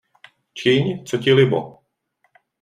Čiň, co ti libo!